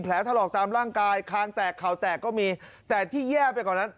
ถลอกตามร่างกายคางแตกเข่าแตกก็มีแต่ที่แย่ไปกว่านั้น